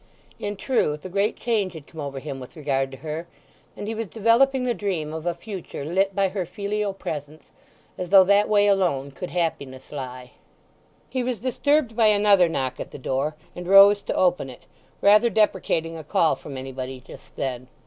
In truth, a great change had come over him with regard to her, and he was developing the dream of a future lit by her filial presence, as though that way alone could happiness lie. He was disturbed by another knock at the door, and rose to open it, rather deprecating a call from anybody just then.